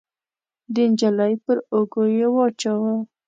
د نجلۍ پر اوږو يې واچاوه.